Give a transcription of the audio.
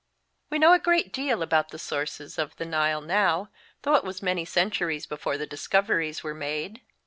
We know a great deal about the sources of the Nile now, though it was many centuries before the discoveries were made.